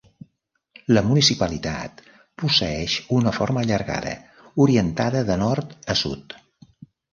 La municipalitat posseeix una forma allargada, orientada de nord a sud.